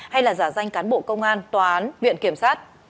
hay là giả danh cán bộ công an tòa án viện kiểm sát